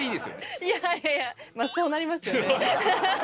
いやいや、そうなりますよね。